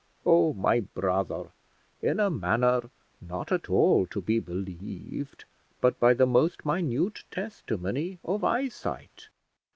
Oh, my brother! in a manner not at all to be believed, but by the most minute testimony of eyesight.